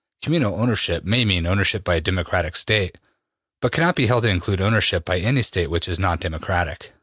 Communal ownership may mean ownership by a democratic State, but cannot be held to include ownership by any State which is not democratic.